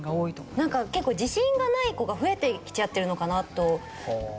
なんか結構自信がない子が増えてきちゃってるのかなと思うというか。